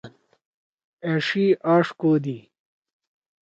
أݜی آݜ کودی۔